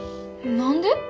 何で？